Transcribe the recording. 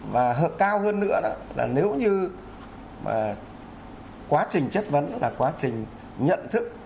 và hợp cao hơn nữa đó là nếu như quá trình chất vấn là quá trình nhận thức